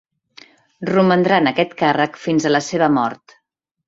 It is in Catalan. Romandrà en aquest càrrec fins a la seva mort.